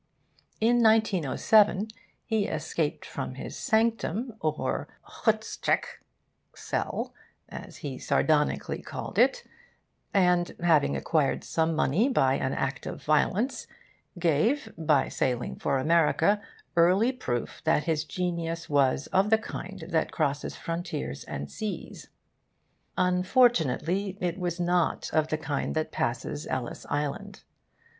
In 1907 he escaped from his sanctum, or chuzketc (cell) as he sardonically called it, and, having acquired some money by an act of violence, gave, by sailing for America, early proof that his genius was of the kind that crosses frontiers and seas. Unfortunately, it was not of the kind that passes Ellis Island.